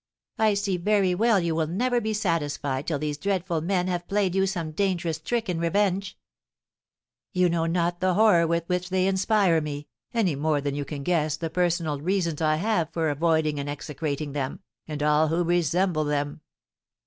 I see very well you will never be satisfied till these dreadful men have played you some dangerous trick in revenge." "You know not the horror with which they inspire me, any more than you can guess the personal reasons I have for avoiding and execrating them, and all who resemble them."